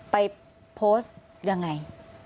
ไปโพสต์ยังไง